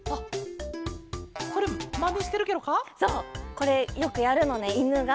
これよくやるのねいぬが。